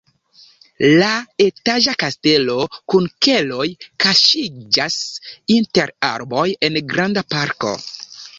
La etaĝa kastelo kun keloj kaŝiĝas inter arboj en granda parko.